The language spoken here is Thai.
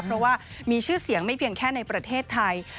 เพราะว่ามีชื่อเสียงไม่เพียงแค่ในประเทศไทย